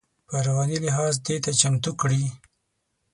په رواني لحاظ دې ته چمتو کړي.